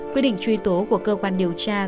quy định truy tố của cơ quan điều tra